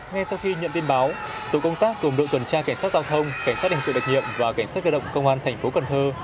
ngay sau khi nhận tin báo tổ công tác gồm đội tuần tra cảnh sát giao thông cảnh sát hình sự đặc nhiệm và cảnh sát cơ động công an thành phố cần thơ